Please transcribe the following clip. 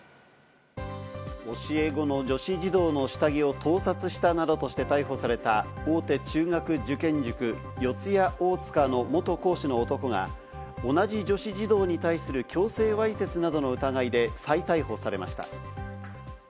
教え子の女子児童の下着を盗撮したなどとして逮捕された、大手中学受験塾・四谷大塚の元講師の男が、同じ女子児童に対する強制わいせつなどの疑いで再逮捕されました。